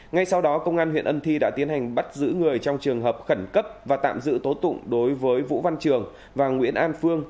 ngay sau đó công an huyện ân thi đã tiến hành bắt giữ người trong trường hợp khẩn cấp và tạm giữ tố tụng đối với vũ văn trường và nguyễn an phương